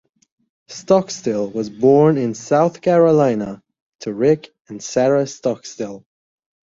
Stockstill was born in South Carolina to Rick and Sara Stockstill.